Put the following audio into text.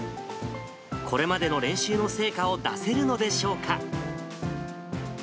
これまでの練習の成果を出せるのでしょうか。